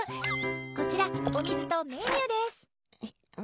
こちら、お水とメニューです。